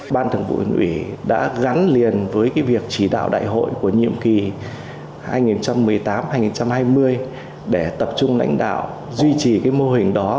ban thường vụ huyện ủy đã gắn liền với việc chỉ đạo đại hội của nhiệm kỳ hai nghìn một mươi tám hai nghìn hai mươi để tập trung lãnh đạo duy trì cái mô hình đó